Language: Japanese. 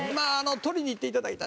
撮りに行っていただいた